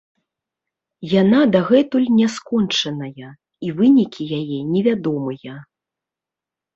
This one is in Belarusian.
Яна дагэтуль не скончаная, і вынікі яе невядомыя.